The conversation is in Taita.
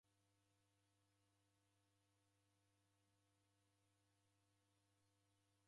Andu kopima kwalindilwa ni w'alindiri w'aw'i.